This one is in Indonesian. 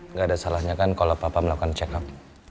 nggak ada salahnya kan kalau papa melakukan check up